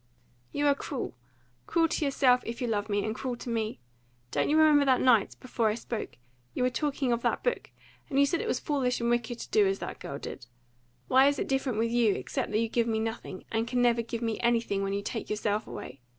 "You are cruel cruel to yourself, if you love me, and cruel to me. Don't you remember that night before I spoke you were talking of that book; and you said it was foolish and wicked to do as that girl did. Why is it different with you, except that you give me nothing, and can never give me anything when you take yourself away?